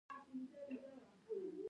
اسمان یې ښکل کړ بیا چینې، چینې شوه